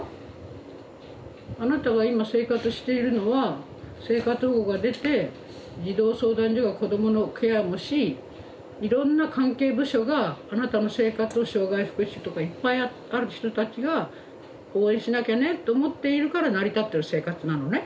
あなたが今生活しているのは生活保護が出て児童相談所が子どものケアもしいろんな関係部署があなたの生活を障害福祉とかいっぱいある人たちが応援しなきゃねと思っているから成り立ってる生活なのね。